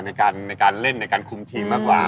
ในการเล่นในการคุมทีมมากกว่า